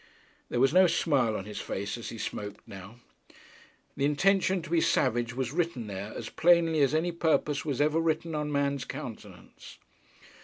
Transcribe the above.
There was no smile on her face as he spoke now. The intention to be savage was written there, as plainly as any purpose was ever written on man's countenance.